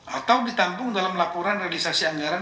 atau ditampung dalam laporan realisasi anggaran